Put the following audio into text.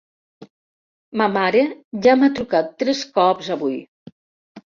Ma mare ja m'ha trucat tres cops avui.